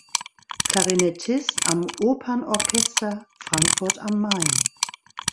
Klarinettist am Opernorchester Frankfurt am Main.